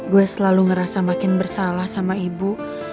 gue selalu ngerasa makin bersalah sama ibu